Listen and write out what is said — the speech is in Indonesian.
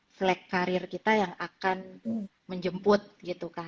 flag karir kita yang akan menjemput gitu kan